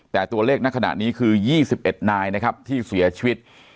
แต่ตัวเลขในขณะนี้คือ๒๑นายนะครับที่เสียชีวิต